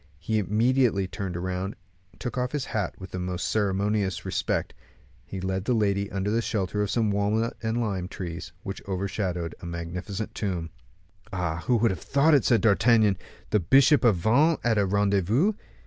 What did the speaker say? He immediately turned round, and took off his hat with the most ceremonious respect; he led the lady under the shelter of some walnut and lime trees, which overshadowed a magnificent tomb. "Ah! who would have thought it," said D'Artagnan; "the bishop of Vannes at a rendezvous!